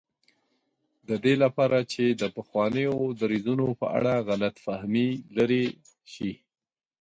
د دې لپاره چې د پخوانیو دریځونو په اړه غلط فهمي لرې شي.